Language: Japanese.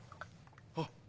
あっ！